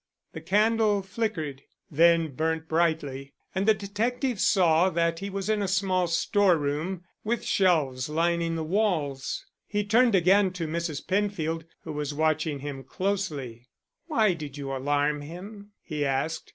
The candle flickered, then burnt brightly, and the detective saw that he was in a small storeroom with shelves lining the walls. He turned again to Mrs. Penfield who was watching him closely. "Why did you alarm him?" he asked.